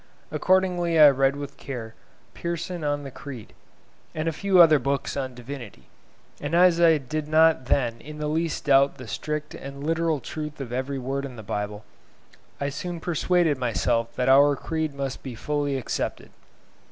Accordingly I read with care 'Pearson on the Creed,' and a few other books on divinity; and as I did not then in the least doubt the strict and literal truth of every word in the Bible, I soon persuaded myself that our Creed must be fully accepted.